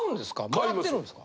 貰ってるんですか？